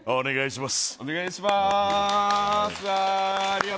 お願い致します。